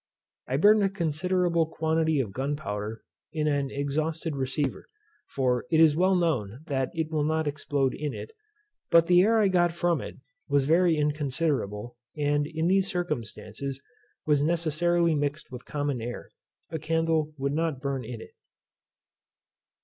I burned a considerable quantity of gunpowder in an exhausted receiver (for it is well known that it will not explode in it) but the air I got from it was very inconsiderable, and in these circumstances was necessarily mixed with common air. A candle would not burn in it.